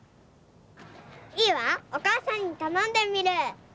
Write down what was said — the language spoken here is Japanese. いいわおかあさんにたのんでみる。